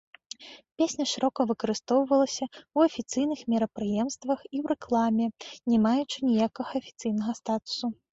Песня шырока выкарыстоўвалася ў афіцыйных мерапрыемствах і ў рэкламе, не маючы ніякага афіцыйнага статусу.